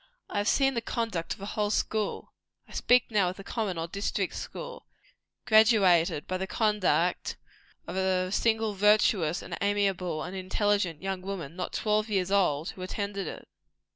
I have seen the conduct of a whole school I speak now of the common or district school graduated by the conduct of a single virtuous, and amiable, and intelligent young woman, not twelve years old, who attended it.